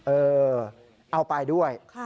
เออเอาไปด้วย